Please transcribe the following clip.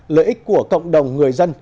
lợi ích của cộng đồng người dân